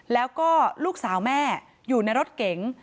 แล้วก็ลูกสาวแม่อยู่ในรถเก๋ง